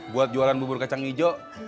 buat jualan bubur kacang hijau